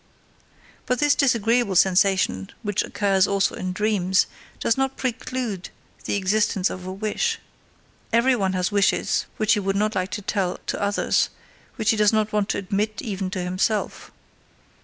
But this disagreeable sensation, which occurs also in dreams, does not preclude the existence of a wish; every one has wishes which he would not like to tell to others, which he does not want to admit even to himself.